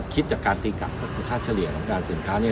คิดจากการตีกลับก็คือค่าเฉลี่ยของการสินค้าเนี่ย